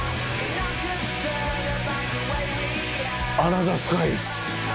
「アナザースカイ」です！